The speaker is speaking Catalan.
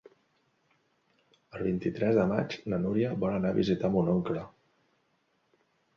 El vint-i-tres de maig na Núria vol anar a visitar mon oncle.